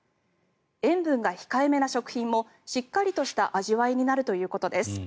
塩分が控えめな食品もしっかりとした味わいになるということです。